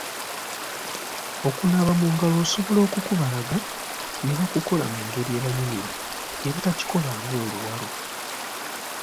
Okunaaba mu ngalo osobola okukubalaga ne bakukola mu ngeri ebanyumira ne batakikola ng’oluwalo.